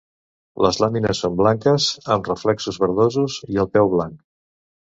Les làmines són blanques amb reflexos verdosos i el peu blanc.